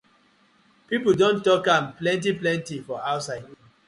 Pipu don tok am plenty plenty for outside.